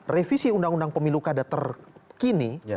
revisi undang undang pemilu kada terkini